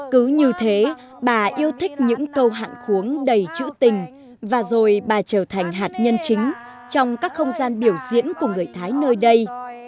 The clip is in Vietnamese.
cứ như thế bà yêu thích những câu hạn khuống đầy chữ tình và rồi bà trở thành hạt nhân chính trong các không gian biểu diễn của người thái nơi đây